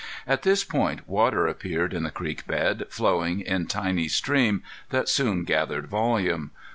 At this point water appeared in the creek bed, flowing in tiny stream that soon gathered volume.